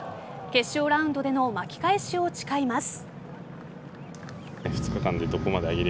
決勝ラウンドでの巻き返しを誓います。